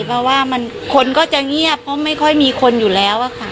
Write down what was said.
เพราะว่าคนก็จะเงียบเพราะไม่ค่อยมีคนอยู่แล้วอะค่ะ